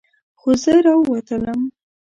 خو زه راووتلم.